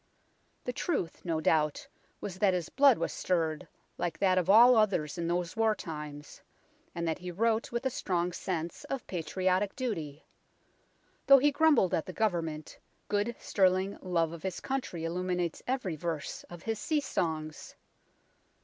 The truth no doubt was that his blood was stirred, like that of all others in those war times, and that he wrote with a strong sense of patriotic duty. Though he grumbled at the Government, good sterling love of his country illuminates every verse of his sea songs.